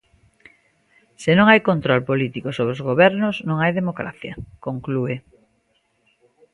"Se non hai control político sobre os gobernos non hai democracia", conclúe.